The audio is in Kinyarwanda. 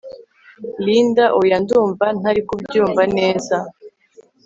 Linda oya ndumva ntari kubyumva neza